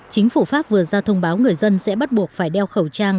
chính phủ pháp vừa ra thông báo người dân sẽ bắt buộc phải đeo khẩu trang